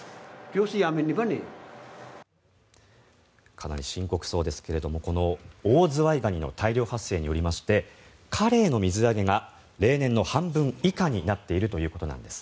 かなり深刻そうですがこのオオズワイガニの大量発生によりましてカレイの水揚げが例年の半分以下になっているということなんです。